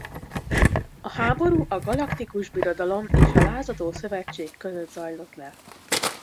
A háború a Galaktikus Birodalom és a Lázadó Szövetség között zajlott le.